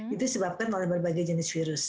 itu disebabkan oleh berbagai jenis virus